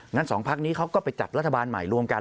สองพักนี้เขาก็ไปจัดรัฐบาลใหม่รวมกัน